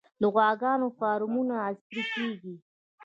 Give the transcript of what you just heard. د غواګانو فارمونه عصري کیږي